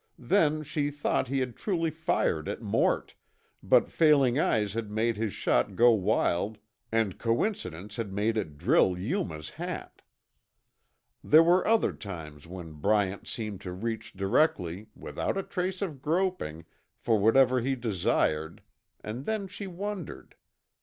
Then she thought he had truly fired at Mort, but failing eyes had made his shot go wild and coincidence had made it drill Yuma's hat. There were other times when Bryant seemed to reach directly, without a trace of groping, for whatever he desired, and then she wondered.